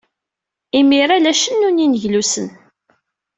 Imir-a, la cennun yineglusen.